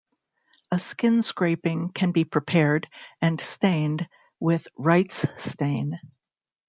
A skin scraping can be prepared, and stained with Wright's stain.